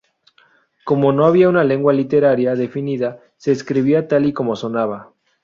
Como no había una lengua literaria definida, se escribía tal y como sonaba.